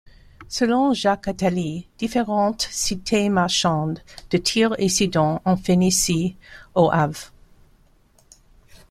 Selon Jacques Attali, différentes cités marchandes, de Tyr et Sidon en Phénicie au av.